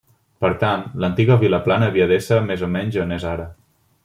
Per tant, l'antiga Vilaplana havia d'ésser més o menys on és ara.